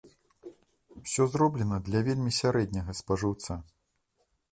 Усё зроблена для вельмі сярэдняга спажыўца.